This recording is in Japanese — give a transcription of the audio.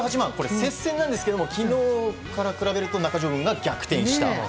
接戦なんですが昨日から比べると中条軍が逆転した。